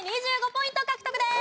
２５ポイント獲得です！